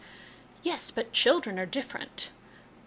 " Yes, but children are different."